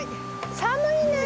寒いねえ。